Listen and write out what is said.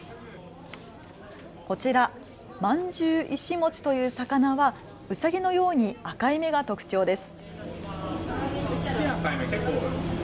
こちら、マンジュウイシモチという魚はうさぎのように赤い目が特徴です。